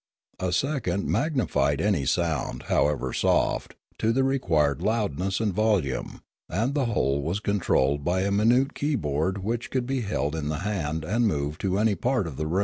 A second magnified any sound, however soft, to the required loudness and vol ume, and the whole was controlled by a minute key board which could be held in the hand and moved to any part of the room.